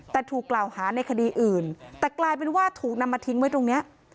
แต่ถูกกล่าวหาในคดีอื่นแต่กลายเป็นว่าถูกนำมาทิ้งไว้ตรงนี้